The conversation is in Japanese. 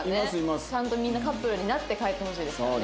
ちゃんとみんなカップルになって帰ってほしいですからね。